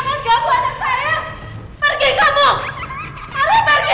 tinggal dengan anak saya jangan ganggu anak saya pergi